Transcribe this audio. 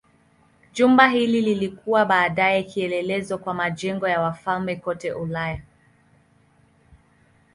Jumba hili lilikuwa baadaye kielelezo kwa majengo ya wafalme kote Ulaya.